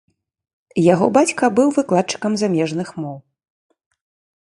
Яго бацька быў выкладчыкам замежных моў.